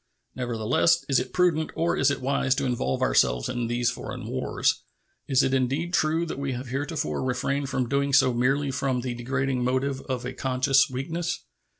Nevertheless, is it prudent or is it wise to involve ourselves in these foreign wars? Is it indeed true that we have heretofore refrained from doing so merely from the degrading motive of a conscious weakness?